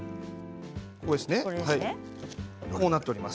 こうなっております。